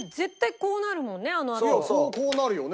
こうなるよね。